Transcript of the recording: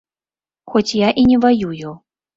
Хоць я і не ваюю.